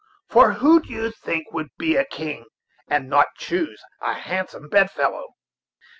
for who do you think would be a king, and not choose a handsome bedfellow?"